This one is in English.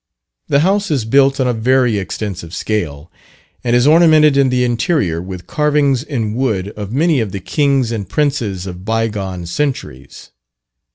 The house is built on a very extensive scale, and is ornamented in the interior with carvings in wood of many of the kings and princes of bygone centuries.